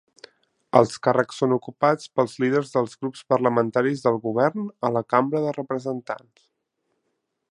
Els càrrecs són ocupats pels líders dels grups parlamentaris del Govern a la Cambra de Representants.